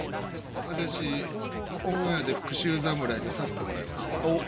私オンエアで「復習侍」見させてもらいましたけど。